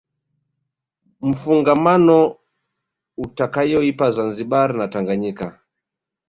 mfungamano utakayoipa Zanzibar na Tanganyika